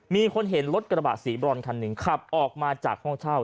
มีคนเห็นรถกระบะสีบรอนคันหนึ่งขับออกมาจากห้องเช่า